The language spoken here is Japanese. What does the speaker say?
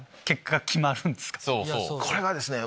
これはですね